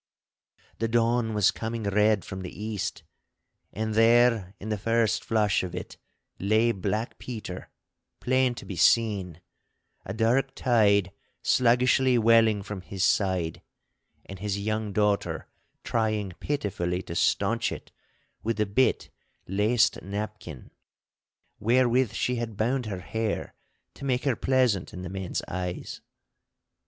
The dawn was coming red from the east, and there, in the first flush of it, lay Black Peter, plain to be seen, a dark tide sluggishly welling from his side, and his young daughter trying pitifully to staunch it with the bit laced napkin wherewith she had bound her hair to make her pleasant in the men's eyes.